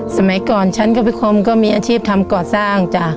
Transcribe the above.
สมัยก่อนฉันก็มีอาชีพทำก่อสร้างจ้ะ